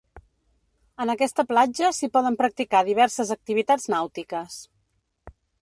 En aquesta platja s'hi poden practicar diverses activitats nàutiques.